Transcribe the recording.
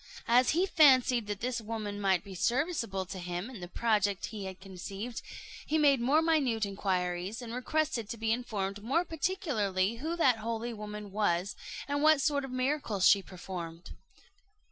As he fancied that this woman might be serviceable to him in the project he had conceived, he made more minute inquiries, and requested to be informed more particularly who that holy woman was, and what sort of miracles she performed.